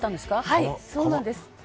「はいそうなんです」